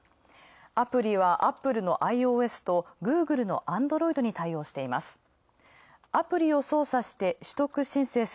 アプリはアップルのｉＯＳとグーグルのアンドロイドに対応しています。